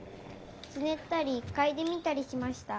「つねったりかいでみたりしました」。